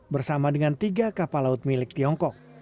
bersama dengan tiga kapal laut milik tiongkok